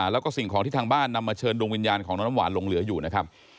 แล้วก็สิ่งของที่ทางบ้านนำมาเชิญดวงวิญญาณของน้องน้ำหวานลงเหลืออยู่นะครับ